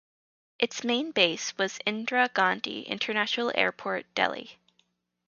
Its main base was Indira Gandhi International Airport, Delhi.